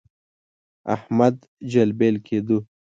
احمد جلبل کېدو.